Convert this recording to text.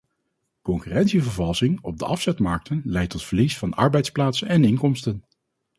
Concurrentievervalsing op de afzetmarkten leidt tot verlies van arbeidsplaatsen en inkomsten.